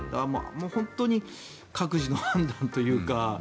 本当に各自の判断というか。